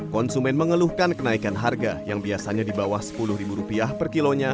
konsumen mengeluhkan kenaikan harga yang biasanya di bawah rp sepuluh per kilonya